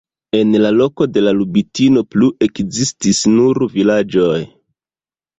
En la loko de Lubitino plu ekzistis nur vilaĝoj.